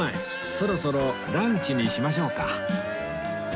そろそろランチにしましょうか